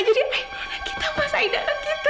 jadi aida anak kita mas aida anak kita